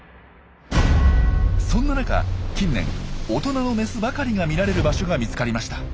そんな中近年大人のメスばかりが見られる場所が見つかりました。